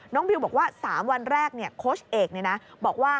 บิวบอกว่า๓วันแรกโค้ชเอกบอกว่า